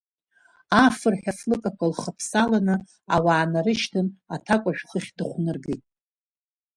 Афырҳәа афлыкақәа лхыԥсаланы, ауаа нарышьҭын, аҭакәажә хыхь дыхәныргеит.